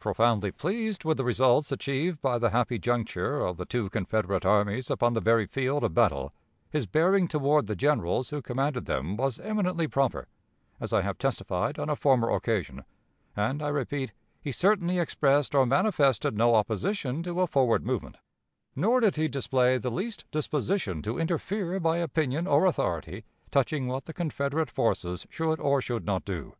Profoundly pleased with the results achieved by the happy juncture of the two Confederate armies upon the very field of battle, his bearing toward the generals who commanded them was eminently proper, as I have testified on a former occasion; and, I repeat, he certainly expressed or manifested no opposition to a forward movement, nor did he display the least disposition to interfere by opinion or authority touching what the Confederate forces should or should not do.